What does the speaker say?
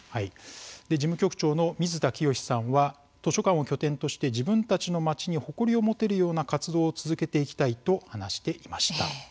事務局長の水田清志さんは図書館を拠点として自分たちの町に誇りを持てるような活動を続けていきたいと話していました。